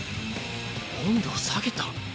温度を下げた？